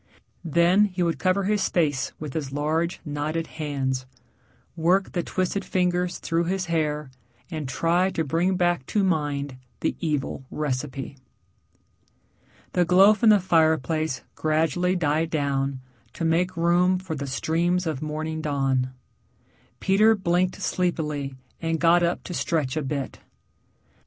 Then he would cover his face with his large, knotted hands, work the twisted fingers through his hair, and try to bring back to mind the evil recipe. The glow from the fireplace gradually died down to make room for the streams of morning dawn. Peter blinked sleepily and got up to stretch a bit.